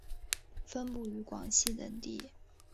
分布于广西等地。